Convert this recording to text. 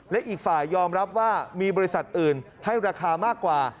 และอีกฝ่ายยอมรับว่ามีบริษัทอื่นให้ราคามากกว่า